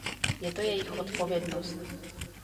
Je to jejich odpovědnost.